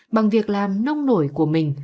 bằng việc làm nông nổi của mình